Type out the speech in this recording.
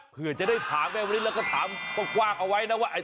เผื่อจะได้ถามแม่งวันนี้เราก็ถามความมากเอาไว้นะว่า